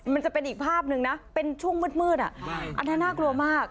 มันจะเป็นอีกภาพหนึ่งนะเป็นช่วงมืดอันนั้นน่ากลัวมาก